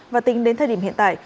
và tính đến thời điểm hiện tại